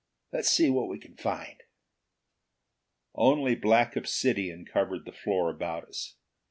Let's see what we can find." Only black obsidian covered the floor about us.